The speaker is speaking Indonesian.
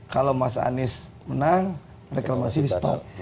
kalau mas anies menang reklamasi di stop